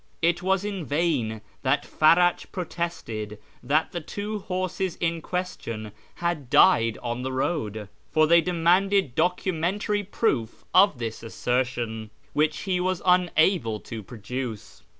It was in vain that Farach protested that the two horses in question had died on the road, for they demanded documentary proof of this assertion, which he was unable to produce.